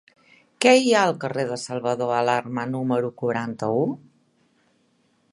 Què hi ha al carrer de Salvador Alarma número quaranta-u?